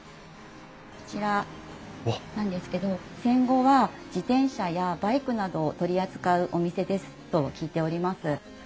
こちらなんですけど戦後は自転車やバイクなどを取り扱うお店ですと聞いております。